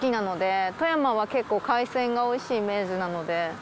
富山は結構海鮮がおいしいイメージなので。